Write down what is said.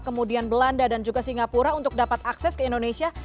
kemudian belanda dan juga singapura untuk dapat akses ke indonesia